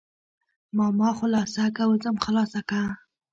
ماما خلاصه که وځم خلاصه که.